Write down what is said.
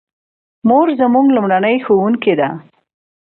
مور زموږ لومړنۍ ښوونکې ده